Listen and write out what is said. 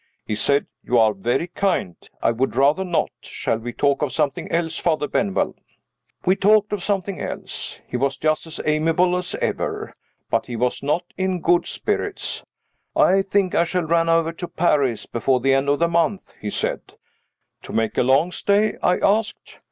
He said, "You are very kind; I would rather not. Shall we talk of something else, Father Benwell?" We talked of something else. He was just as amiable as ever but he was not in good spirits. "I think I shall run over to Paris before the end of the month," he said. "To make a long stay?" I asked.